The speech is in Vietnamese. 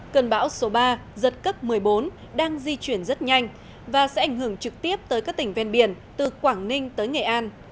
cơn bão số ba giật cấp một mươi bốn đang di chuyển rất nhanh và sẽ ảnh hưởng trực tiếp tới các tỉnh ven biển từ quảng ninh tới nghệ an